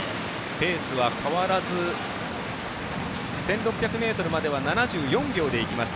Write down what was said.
レースは変わらず１６００ｍまでは７４秒でいきました。